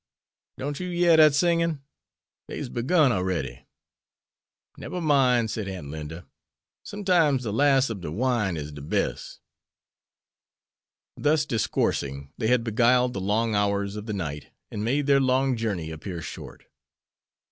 Don't you yere dat singin'? Dey's begun a'ready." "Neber mine," said Aunt Linda, "sometimes de las' ob de wine is de bes'." Thus discoursing they had beguiled the long hours of the night and made their long journey appear short.